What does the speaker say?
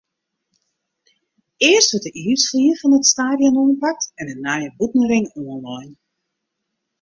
Earst wurdt de iisflier fan it stadion oanpakt en de nije bûtenring oanlein.